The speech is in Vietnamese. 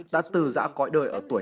đã từ giã cõi đời ở tuổi năm mươi sáu